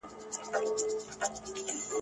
زما یې مات کړل په یوه ګوزار هډوکي !.